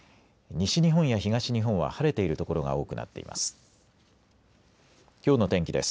西日本や東日本は晴れている所が多くなっています。